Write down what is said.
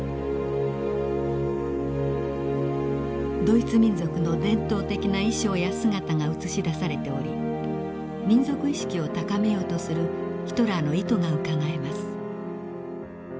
ドイツ民族の伝統的な衣装や姿が映し出されており民族意識を高めようとするヒトラーの意図がうかがえます。